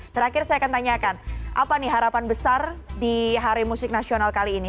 terakhir saya akan tanyakan apa nih harapan besar di hari musik nasional kali ini